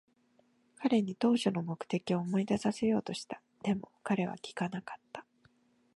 彼に当初の目的を思い出させようとした。でも、彼は聞かなかった。